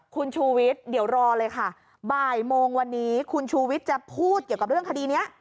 คุณชูวิทย์เดี๋ยวรอเลยค่ะบ่ายโมงวันนี้คุณชูวิทย์จะพูดเกี่ยวกับเรื่องคดีนี้